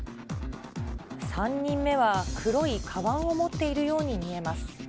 ３人目は黒いかばんを持っているように見えます。